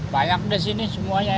banyak deh sini semuanya ya